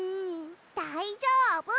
だいじょうぶ！